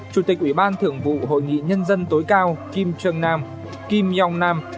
chủ tịch ủy ban thưởng vụ hội nghị nhân dân tối cao kim jong nam kim yong nam